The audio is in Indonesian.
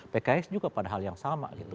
pks juga pada hal yang sama gitu